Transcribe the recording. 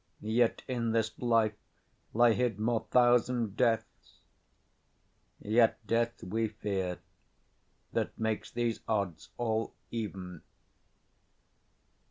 Yet in this life Lie hid more thousand deaths: yet death we fear, 40 That makes these odds all even.